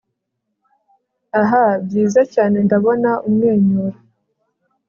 Ah byiza cyane Ndabona umwenyura